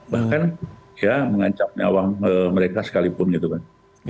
bahkan ya mengancam nyawa mereka sekalipun gitu kan